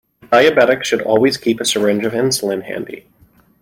Diabetics should always keep a syringe of insulin handy.